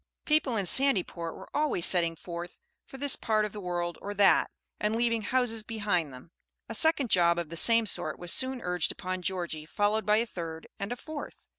People in Sandyport were always setting forth for this part of the world or that, and leaving houses behind them. A second job of the same sort was soon urged upon Georgie, followed by a third and a fourth.